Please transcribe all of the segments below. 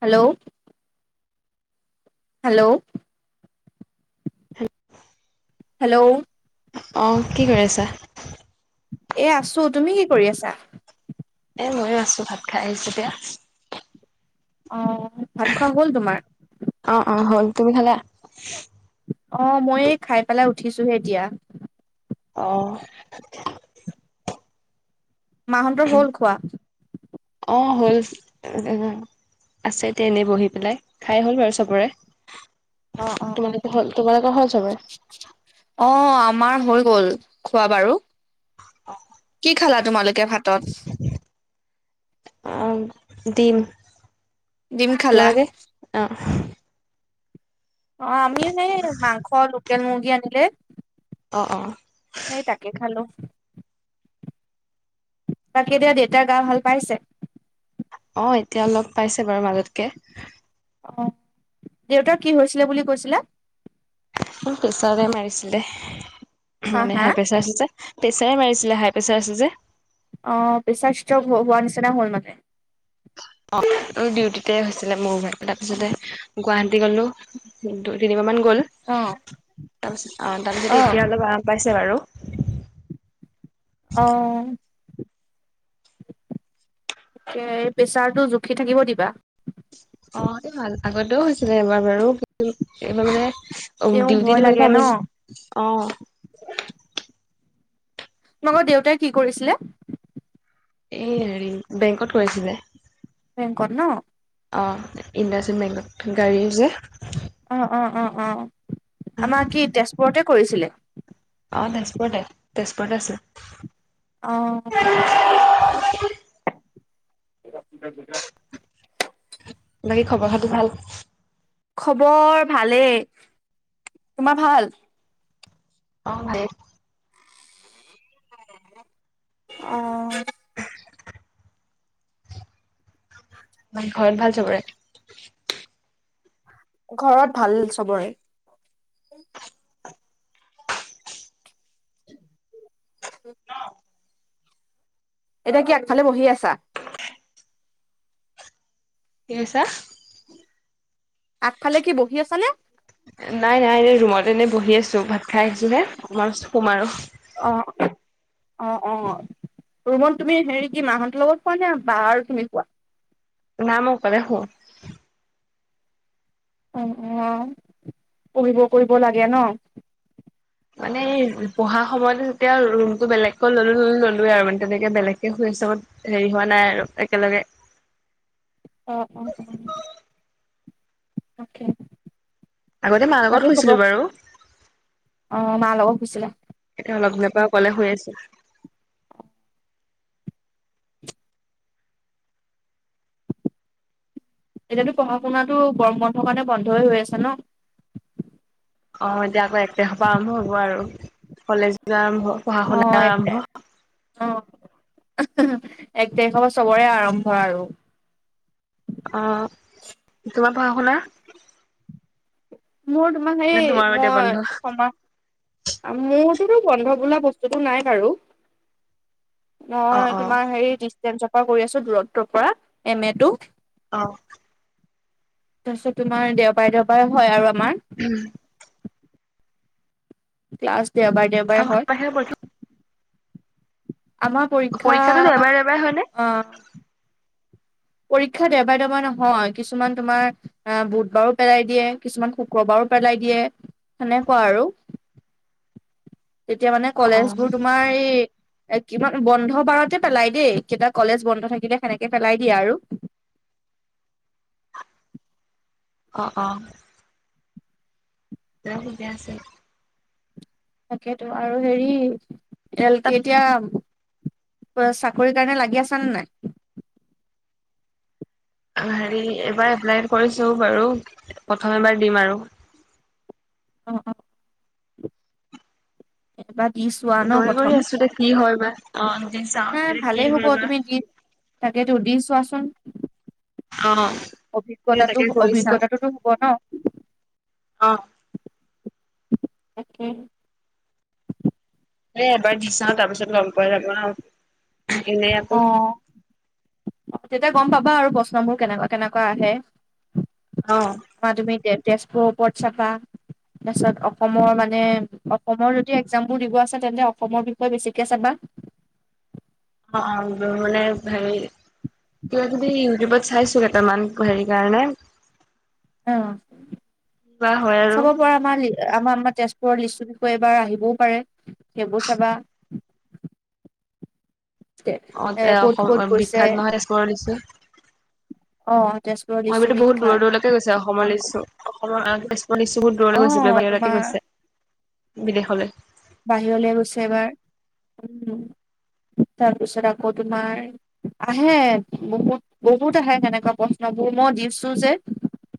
Hello, hello, [inaudible] hello, অ, কি কৰি আছা? এই আছো, তুমি কি কৰি আছা? এ, ময়ো আছো ভাত খাই আহিছো, এতিয়া। অ, ভাত খোৱা হ'ল তোমাৰ? অ' অ' হ'ল। তুমি খালা? অ' মই এই খাই পেলাই উঠিছোহে এতিয়া। অহ। মাহঁতৰ হ'ল খোৱা? অ'হ হ'ল। [unintelligible] আছে এতিয়া এনেই বহি পেলাই। খাই হ'ল বাৰু চবৰে। তোমালোকে হ'ল? তোমালোকৰ হ'ল চবৰে? অ'হ। আমাৰ হৈ গ'ল, খোৱা বাৰু। কি খালা তোমালোকে ভাতত? অ'হ। দীম। ডিম খালা তোমালোকে? অ'হ অহ। আমিও হে মাংস। লোকেল মুৰ্গী আনিলে। অহ। অহ। সেই তাকে খালো। বাকী এতিয়া, দেউতাই গা ভাল পাইছে? অহ। এতিয়া অলপ পাইছে বাৰু মাজতকে। অহ। দেউতাৰ কি হৈছিলে বুলি কৈছিলা? প্ৰেছাৰে মাৰিছিলে। হা মানে হা হাইপ্ৰেচাৰ আছিল যে। প্ৰেছাৰে মাৰিছিলে। হাইপ্ৰেছাৰ আছে যে। অহ। পেছাৰ ষ্ট্ৰোক হোৱা নিচিনা হ'ল মানে। অহ। ডিউটিতে হৈছিলে, মূৰ ঘূৰাই পেলাই তাৰপিছতে গুৱাহাটী গ'লো। দুই-তিনিবাৰমান গ'ল। অ অ তাৰপিছত আহ অ তাৰপিছতে এতিয়া অলপ আৰাম পাইছে বাৰু। অহ। কে প্ৰেছাৰটো জুখি থাকিব দিবা। অহ। এই ভাল, আগতেও হৈছিলে এবাৰ বাৰু! এইবাৰ মানে তেওঁ ভয় ডিউটিত হ'ল লাগে ন। আমি [unintelligible] অ'হ। তোমালোকৰ দেউতাই কি কৰিছিলে? এই হেৰি, বেংকত কৰিছিলে। বেংকত ন? অহ। ইণ্ডাচিন বেংকত। গাড়ীও যে অহ-অহ-অহ-অহ- অ আমাৰ কি তেজপুৰতে কৰিছিলে? অহ তেজপুৰতে। তেজপুৰতে আছিল। অহ। এ [unintelligible] বাকী খবৰ- খাতি ভাল? খবৰ ভালেই। তোমাৰ ভাল? অ' ভালেই। অ'হ। এনে ঘৰত ভাল চবৰে? ঘৰত ভাল চবৰে। [inaudible] এতিয়া কি আগফালে বহি আছা? কি কৈছা? আগফালে কি বহি আছানে? নাই। নাই। এই ৰুমত এনেই বহি আছো। ভাত খাই আহিছোহে। অকমান পিছত শুম আৰু। অহ'। অ', অ' ৰুমত তুমি হেৰি কি মাহঁতৰ লগত খোৱা নে, বা আৰু তুমি কোৱা? না মই অকলে শু। অ', অ' পঢ়িব কৰিব লাগে ন। মানে এই পঢ়া সময়টো তেতিয়া ৰুমতটো বেলেগকৈ ল'লোঁ, ল'লোঁ, ল'লোঁৱে আৰু মানে তেনেকে বেলেগকে শুইছো। হেৰি হোৱা নাই আৰু একেলগে। অ', অ', অ'। অ'কে। আগতে মাৰ লগত শুইছিলোঁ বাৰু। অ' মা লগত শুইছিঁলা। এ অলপ সময় পৰা অকলে ক'লে শুই আছো। এতিয়াটো পঢ়া শুনাটো গৰম বন্ধ কাৰণে বন্ধই হৈ আছে ন। অ' এতিয়া আকৌ এক তাৰিখৰ পৰা আৰম্ভ হ'ব আৰু কলেজবিলাক আৰম্ভ হব। অ' ইয়াতে। অ' অহুহু এক তাৰিখৰ পৰা চবৰে আৰম্ভ আৰু। অ', তোমাৰ পঢ়াশুনা? মোৰ তোমাৰ নে সেই, তোমাৰো এতিয়া বন্ধ মই সমা আমিয়েতোতো বন্ধ বোলা বস্তুটো নাই বাৰু। অ মই অ তোমাৰ হেৰি ডিচটেন্সৰ পৰা কৰি আছোঁ দৰত্বৰ পৰা, এম এ টো। অ'। তাৰপিছত তোমাৰ দেওবাৰে দেওবাৰে হয় আৰু আমাৰ। হুহো। ক্লছ দেওবাৰে দেওবাৰে হয় প্ৰথমে [inaudible] আমাৰ পৰীক্ষা, পৰীক্ষাটো দেওবাৰে দেওবাৰে হয়নে অহ' পৰীক্ষা দেওবাৰে দেওবাৰ নহয়, কিছুমান তোমাৰ অ', বুধবাৰো পেলাই দিয়ে, কিছুমান শুক্ৰবাৰো পেলাই দিয়ে, সেনেকুৱা আৰু এতিয়া মানে অ কলেজবোৰ তোমাৰ এই এ কিমান বন্ধ বাৰতে পেলাই দেই, কেইটা কলেজ বন্ধ থাকিলে সেনেকে পেলাই দিয়ে আৰু অ', অ'। তেওঁ ঠিকে আছে। তাকেতো আৰু হেৰি, তাত তেওঁলোকে এতিয়া কিবা চাকৰি কাৰণে লাগি আছা নে নাই? অ' হেৰি এইবাৰ এপ্লাই কৰিছোঁ বাৰু, প্ৰথম এবাৰ দিম আৰু অ', অ'। এবাৰ দিছোঁ। দৌৰি কৰি আছোঁ দেই, এতিয়া কি হয় বা, অ' এতিয়া চাওঁ। নাই এতিয়া কি ভালেই হ'ব হয় বা। তুমি দি তাকেতো দি চোৱাচোন। অ তাকে কৰি চাও অভিজ্ঞতাটো-অভিজ্ঞতাটোতো হ'ব ন। অ তাকে। এ এবাৰ দি চাওঁ, তাৰ পিছত গম পোৱা যাব ন, এনেই আকৌ অ', তেতিয়া গম পাবা আৰু প্ৰশ্নবোৰ কেনেকুৱা, কেনেকুৱা আহে। অহ'। বা তুমি তে-তেজপুৰৰ ওপৰত চাবা। তাৰপিছত অসমৰ মানে, অসমৰ যদি এক্সাম বোৰ দিব আছে, তেন্তে অসমৰ বিষয়ে বেছিকে চাবা। অ', অ', মানে হেৰি কিবা কিবি ইউটিউবত চাইছোঁ কেইটামান হেৰি কাৰণে। অ', কিবা হয় আৰু চাব পৰা [unintelligible] আমাৰ আমাৰ তেজপুৰৰ লিচু বিষয়ে এইবাৰ আহিবও পাৰে সেইবোৰ চাবা। অ', এ ক'ত ক'ত তে-অসম গৈছে বিখ্যাত নহয় তেজপুৰ লিচু। [unintelligible] অ তেজপুৰৰ লিচু বহুত বিখ্যাত দূৰ দূৰলৈকে গৈছে অসমৰ আকৌ লিচু। অসমৰ অ' তেজপুৰৰ লিচুবোৰ অ দূৰলৈ গৈছে বাহিৰলৈকে তোমাৰ গৈছে বিদেশলৈ। বাহিৰলৈ গৈছে এবাৰ উম, তাৰপিছত আকৌ তোমাৰ আহে বহুত বহুত আহে তেনেকুৱা প্ৰশ্নবোৰ মই দিছোঁ যে।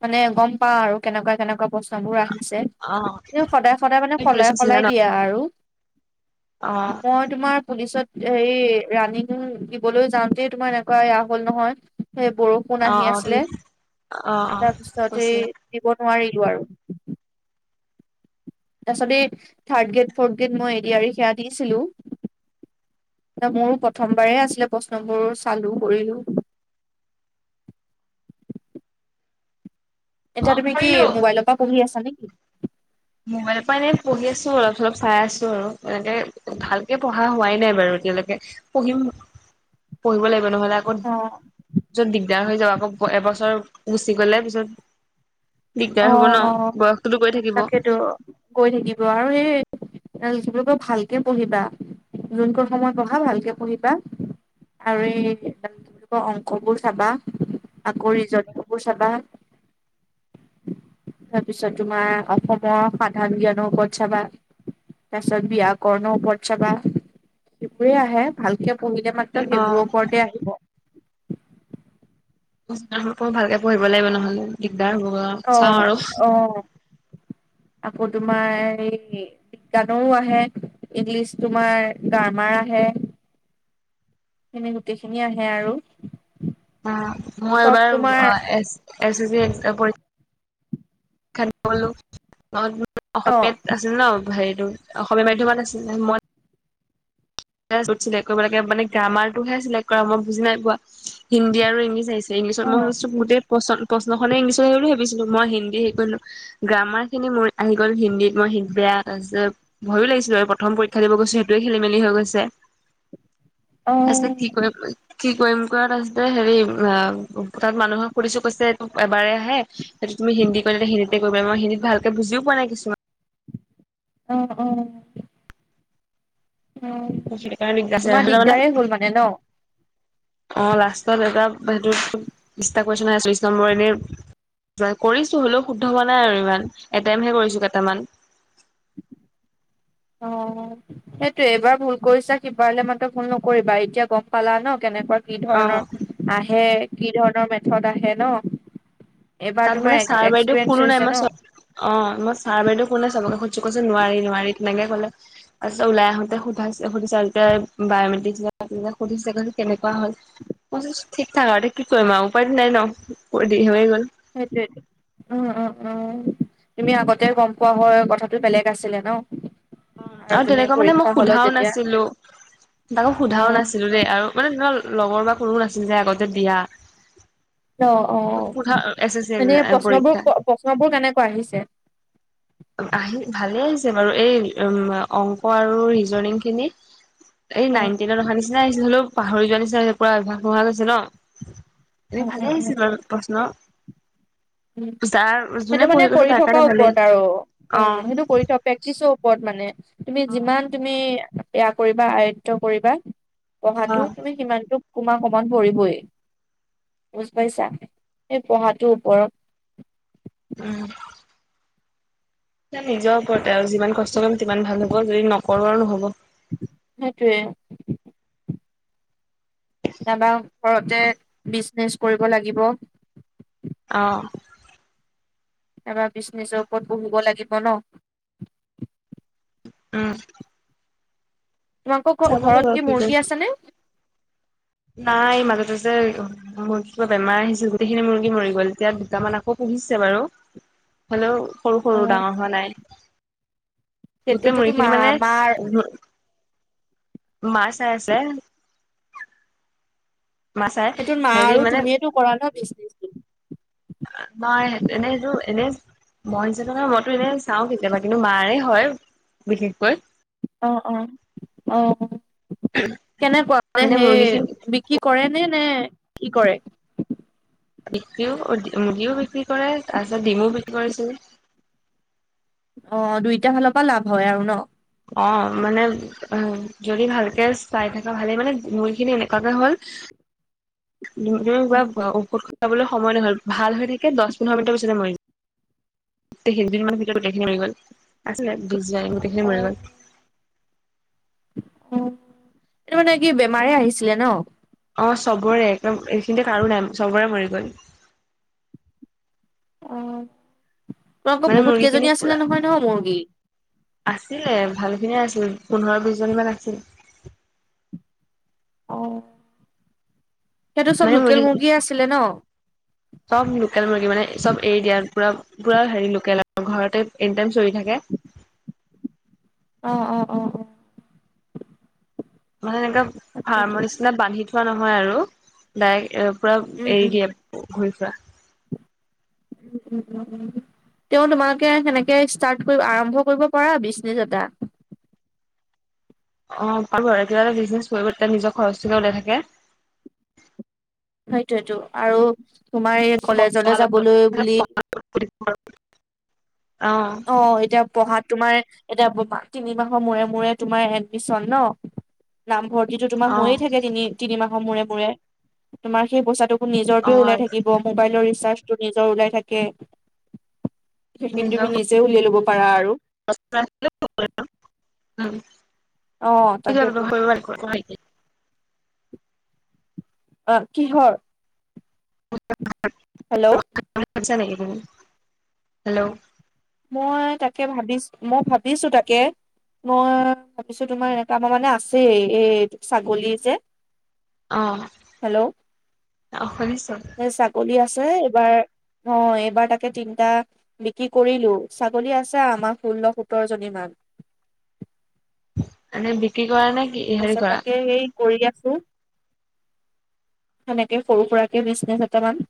মানে গম পাওঁ আৰু কেনেকুৱা কেনেকুৱা প্ৰশ্নবোৰ আহিছে। অ তেওঁ সদায় সদায় মানে তুমি সলাই পুলিচত আছিলা সলাই ন দিয়া আৰু অ মই তোমাৰ পুলিচত হেৰি ৰাণীং দিবলৈ যাওঁতেই তোমাৰ এনেকুৱা এয়া হ'ল নহয়। সেই বৰষুণ অ আহি অ আছিলে তুমি অ অ তাৰপিছত সেই কৈছিলা দিব নোৱাৰিলো আৰু। তাৰপাছতে এই থাৰ্ড গ্ৰেড ফৰ্থ গ্ৰেড মই এ ডি আৰ ই সেয়া দিছিলোঁ। মোৰো প্ৰথমবাৰে আছিলে প্ৰশ্নবোৰ চালো কৰিলো। অ এতিয়া তুমি কি কৰিলো মোবাইলৰ পৰা পঢ়ি আছা নেকি? মোবাইলৰ পৰা এনেই পঢ়ি আছো অলপ চলপ চাই আছো আৰু এনেকে ভালকে পঢ়া হোৱাই নাই বাৰু এতিয়ালৈকে। পঢ়িম, পঢ়িব লাগিব নহ'লে আকৌ অ পিছত দিগদাৰ হৈ যাব। আকৌ এবছৰ গুচি গ'লে পিছত দিগদাৰ হ'ব ন বয়সটোতো গৈ থাকিব। সিটো গৈ থাকিব আৰু সেই [unintelligible] ভালকে পঢ়িবা। যোনকণ সময় পঢ়া ভালকে পঢ়িবা। আৰু এই তোমাৰ অংকবোৰ চাবা আকৌ ৰিজনিংবোৰ চাবা। তাৰপিছত তোমাৰ অসমৰ সাধাৰণ জ্ঞানৰ ওপৰত চাবা। তাৰপিছত ব্যাকৰণৰ ওপৰত চাবা সেইবোৰে আহে। ভালকে পঢ়িলে মাত্ৰ অ সেইবোৰৰ ওপৰতে আহি [unintelligible] ভালকে পঢ়িব লাগিব নহ'লে দিগদাৰ হ'বগৈ অ'। অ', অ', আকৌ তোমাৰ এই বিজ্ঞানৰো আহে ইংলিছ তোমাৰ গ্ৰামাৰ আহে। এনে গোটেইখিনি আহে আৰু। অ', মই চব এইবাৰ তোমাৰ আ এচ-এচ চি পৰী ক্ষা দিব গ'লো অ অসমীয়া আছিল ন হেৰিটো অসমীয়া মাধ্যমিত আছিলে মই য'ত চিলেক্ট কৰিব লাগে মানে গ্ৰামাৰটোহে চিলেক্ট কৰা মই বুজি নাই পোৱা। হিন্দী আৰু ইংলিছ আহিছে। ইংলিছত অ মই ভাবিছো বহুতে প্ৰশ্ন-প্ৰশ্নখনে ইংলিছত আহিব লাগিব বুলি ভাবিছিলোঁ মই হিন্দী হেৰী কৰি দিলো। গ্ৰামাৰখিনি মোৰ আহি গ'ল হিন্দীত মই হি বেয়া যে ভয়ো লাগিছিলে আৰু প্ৰথম পৰীক্ষা দিব গৈছো সেইটোৱে খেলিমেলি হৈ গৈছে। অ তাৰপিছত কি কৰিম কি কৰিম কৰা তাৰপাছতে হেৰি অ' তাত মানুহক সুধিছোঁ কৈছে এবাৰে আহে। তুমি হিন্দীত কৰিলে হিন্দীতে কৰিব লাগিব মই হিন্দী ভালকে বুজিও পোৱা নাই কিছুমান। অ', অ'। অ', তোমাৰ সেইকাৰণে [unintelligible] আছে মানে দিগদাৰেই হ'ল মানে ন অ', লাষ্টত এটা সেইটোত চল্লিশটা কোৱেইছন আহে চল্লিশ নম্বৰৰ এনে কৰিছোঁ হ'লেও শুদ্ধ হোৱা নাই আৰু ইমান এটেইমহে কৰিছোঁ কেইটামান। অ'। সেইটোয়ে এইবাৰ ভুল কৰিছা সিপাৰলে মাত্ৰ ভুল নকৰিবা এতিয়া গম পালা ন কেনেকুৱা আহে, কি ধৰণৰ আহে কি ধৰণৰ মেথড আহে ন? এইবাৰ তাত তোমাৰ মানে ছাৰ বাইদেউ এক্সপিৰিয়েঞ্চ কোনো নাই হৈছে ন মই চব অ মই ছাৰ বাইদেউ [unintelligible] চবগকে সুধিছোঁ কৈছে নোৱাৰি নোৱাৰি তেনেকে ক'লে। তাৰপিছত ওলাই আহোতে সধা, সুধিছে যেতিয়া বায়মেট্ৰিক বিলাক আহিছে সুধিছে কেনেকুৱা হ'ল? মই কৈছোঁ, ঠিক ঠাক আৰু, কি কৰিম আৰু উপায় নাই ন হৈ গ'ল। সেইটোৱে। উম, উম, উম, তুমি আগতে গম পোৱা হয় কথাটো বেলেগ আছিলে ন। উম, আৰু তুমি তেনেকুৱা মানে মই পৰীক্ষা হলত সোধাও যেতিয়া নাছিলোঁ, তাকো সোধাও অ নাছিলোঁ দেই আৰু মানে ধৰা লগৰ বা কোনোও নাছিল যে আগতে যে দিয়া অ', সোধা অ', এছ এছ চি মানে পৰীক্ষা প্ৰশ্নবোৰ, প্ৰশ্নবোৰ কেনেকুৱা আহিছে? আহি ভালে আহিছে বাৰু, এই, উম, অংক আৰু ৰিজনিং খিনি। এই অ নাইন টেনত অহা নিচিনাই আহিছে, হ'লেও পাহৰি যোৱা নিচিনা হৈছে পুৰা অভ্যাস নোহোৱা হৈ গৈছে ন। এ উম ভালে উম উম আহিছিল বাৰু প্ৰশ্ন। যাৰ যোনে সেইটো পঢ়ি মানে গৈছে কৰি তাৰ কাৰণে থকাৰ ভালেই ওপৰত আৰু। উ অ সেইটো কৰি থকা, প্ৰেক্টিচৰ ওপৰত মানে, তুমি যিমান তুমি বেয়া কৰিবা আয়ত্ব কৰিবা অ পঢ়াটো তুমি সিমানটো অকুমান কমন পৰিবই, বুজি পাইছা, এই পঢ়াটোৰ ওপৰত [inaudible] [unintelligible] নিজৰ ওপৰতে আৰু, যিমান কষ্ট কৰিম সিমান ভাল হ'ব, যদি নকৰোঁ আৰু নহ'ব। সেইটোৱে। নাইবা ঘৰতে বিজনেচ কৰিব লাগিব। অ'। তাপা বিজনেজৰ ওপৰত পঢ়িব লাগিব ন? উম। তোমালোকৰ ঘ, চাব লাগিব ঘৰত কি কয় মুৰ্গী আছে নে? নাই, মাজতেযে মোৰ কিবা বেমাৰ আহিছিল গোটেইখিনি মুৰ্গী মৰি গ', তেতিয়া দুটামান আকৌ পুহিছে বাৰু। হলেও সৰু-সৰু, অ ডাঙৰ হোৱা নাই। গোটেই সেইটোতো মা মুৰ্গীখিনি মানে, মাৰ মা চাই আছে। মা চাই সেইটো মা হেৰি আৰু মানে তুমিয়েটো কৰা ন বিজনেচ? নাই, এনেইটো এনে মই [unintelligible] মইতো এনে চাওঁ কেতিয়াবা, কিন্তু মাৰে হয় বিশেষকৈ। অ', অ', অ', কেনেকুৱা মানে মুৰ্গীখিনি সেই কি কৰে নে, নে কি কৰে? বিক্ৰীও মুৰ্গিও বিক্ৰী কৰে, তাৰপিছত ডিমও বিক্ৰী কৰিছিল। অ', দুইটা ফালৰ পৰা লাভ হয় আৰু ন? অ', মানে, যদি ভালকে চাই থাকা ভালেই, মানে মুৰ্গী খিনি এনেকুৱাকে হ'ল তুমি কিবা ঔষধ খোৱাবলৈ সময় নহ'ল, ভাল হৈ থাকে দহ পোন্ধৰ মিনিটৰ পিছতে মৰি যা [unintelligible] মমানৰ ভিতৰত গোটেইখিনি মৰি গ'ল, আছিলে [unintelligible] গোইখিনি মৰি গ'ল। অ', এইটো মানে কি বেমাৰে আহিছিলে ন? অ', চবৰে, একদম এইখিনিতে কাৰো নাই, চবৰে মৰি গ'ল। অ', তোমাৰ আক মানে বহুত মুৰ্গী খিনি কেইজনী পুৰা আছিলে নহয় নহ মুৰ্গী? আছিলে ভালখিনিয়ে আছিল, পোন্ধৰ বিশজনীমান আছিল। সেইটো চব মানে লোকেল মুৰ্গী মুৰ্গীয়ে আছিলে ন'? চব লোকেল মুৰ্গী, মানে চব এৰি দিয়া পুৰা পুৰা হেৰি লোকেল আৰু ঘৰতে এনি টাইম চৰি থাকে। [inaudible] অ', অ', অ'। মানে এনেকা ফাৰ্মৰ নিচিনা বান্ধি থোৱা নহয় আৰু ডাইৰেক্ট এ, পুৰা এৰি দিয়ে। ঘূৰি ফুৰা। [inaudible] তেওঁ তোমালোকে সেনেকে ষ্টাৰ্ট কৰি আৰম্ভ কৰিব পাৰা বিজনেচ এটা। অ' পাৰোঁ কিবা এটা বিজনেছ কৰিব তেতিয়া নিজৰ খৰচটোকে ওলাই থাকে। সেইটোৱেটো আৰু তোমাৰ এই কলেজলে যাবলৈ বুলি [unintelligible] অ'। অ' এতিয়া পঢ়াত তোমাৰ এতিয়া [unintelligible] তিনিমাহৰ মূৰে মূৰে তোমাৰ এডমিশন ন'? নামভৰ্তিটো তোমাৰ অ হৈয়ে থাকে তিনি তিনি মাহৰ মূৰে মূৰে। তোমাৰ সেই পইচাটো অ নিজৰটোৱে ওলাই থাকিব, মোবাইলৰ ৰিচাৰ্জটো নিজৰ ওলাই থাকে। সেইখিনি নিজৰ তুমি নিজে উলিয়াই ল'ব পাৰা আৰু। অ তাকেতো [unintelligible] অ' কিহৰ? [unintelligible] হেল্ল'। [unintelligible] হেল্ল'। মই তাকে ভাবিছ, মই ভাবিছোঁ তাকে। মই ভাবিছোঁ তোমাৰ এটাপা মানে আছেই এই ছাগলী যে। অ হেল্ল'। শুনিছো। হে ছা গলি আছে এইবাৰ, অ' এইবাৰ তাকে তিনটা বিক্ৰী কৰিলোঁ। ছাগলী আছে আমাৰ ষোল্ল সোতৰজনী মান। এনে বিক্ৰী কৰানে? তাৰপিছত তাকে সেই কৰি আছোঁ সেনেকে সৰু সুৰাকে বিজনেছ এটামান।